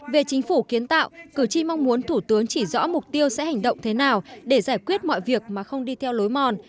về chính phủ kiến tạo cử tri mong muốn thủ tướng chỉ rõ mục tiêu sẽ hành động thế nào để giải quyết mọi việc mà không đi theo lối mòn